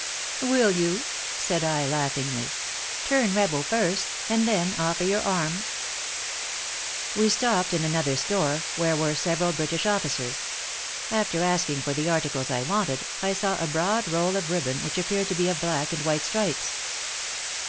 "'Will you?' said I, laughingly 'Turn rebel first, and then offer your arm.' "We stopped in another store, where were several British officers. After asking for the articles I wanted, I saw a broad roll of ribbon, which appeared to be of black and white stripes.